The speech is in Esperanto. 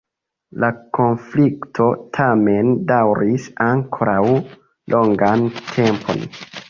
La konflikto tamen daŭris ankoraŭ longan tempon.